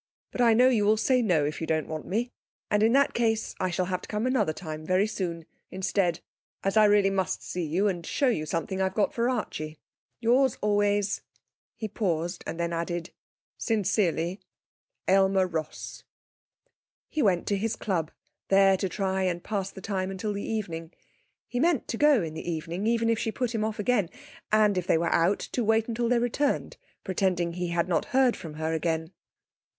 But I know you will say no if you don't want me. And in that case I shall have to come another time, very soon, instead, as I really must see you and show you something I've got for Archie. Yours always ' He paused, and then added: 'Sincerely, 'AYLMER ROSS' He went to his club, there to try and pass the time until the evening. He meant to go in the evening, even if she put him off again; and, if they were out, to wait until they returned, pretending he had not heard from her again.